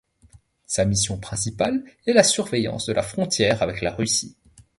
Sa mission principale est la surveillance de la frontière avec la Russie.